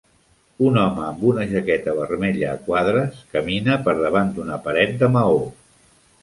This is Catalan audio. Un home amb una jaqueta vermella a quadres camina per davant d'una paret de maó.